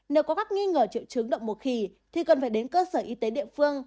nếu có các nghi ngờ triệu chứng động mùa khỉ thì cần phải đến cơ sở y tế địa phương